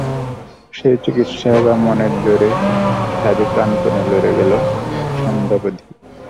সেই চিকিৎসায় অথবা মনের জোরে সাজু প্রাণপণে লড়ে গেলেন সন্ধ্যা অবধি।